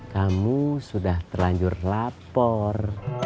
kamu sudah terlanjur lapor